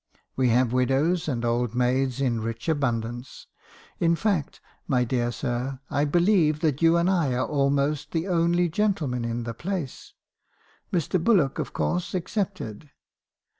We have widows and old maids in rich abundance. In fact, my dear sir, I believe that you and I are almost the only gentlemen in the place — Mr. Bullock, of course, excepted.